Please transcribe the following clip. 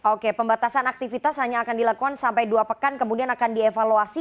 oke pembatasan aktivitas hanya akan dilakukan sampai dua pekan kemudian akan dievaluasi